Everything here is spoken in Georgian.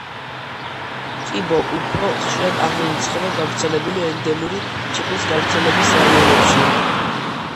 კიბო უფრო ხშირად აღირიცხება გავრცელებული ენდემური ჩიყვის გავრცელების რაიონებში.